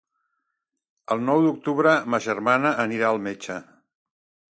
El nou d'octubre ma germana anirà al metge.